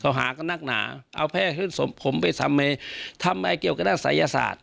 หากันนักหนาเอาแพร่ขึ้นผมไปทำไมเกี่ยวกับด้านศัยศาสตร์